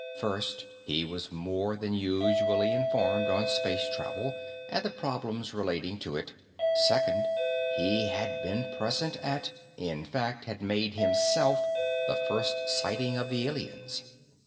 First, he was more than usually informed on space travel and the problems relating to it, second, he had been present at in fact, had made himself the first sighting of the aliens.